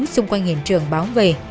xung quanh hiện trường báo về